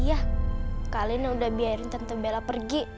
iya kalian udah biarin tante bella pergi